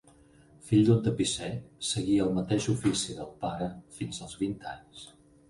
Fill d'un tapisser, seguí el mateix ofici del pare fins als vint anys.